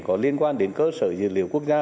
có liên quan đến cơ sở dữ liệu quốc gia